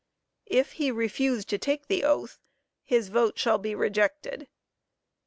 _If he refuse to take the oath, his vote shall be rejected.